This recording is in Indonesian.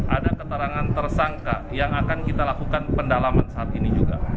ada keterangan tersangka yang akan kita lakukan pendalaman saat ini juga